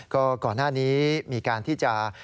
ก็ก่อนหน้านี้มีการที่จะ